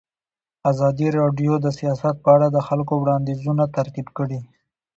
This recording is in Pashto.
ازادي راډیو د سیاست په اړه د خلکو وړاندیزونه ترتیب کړي.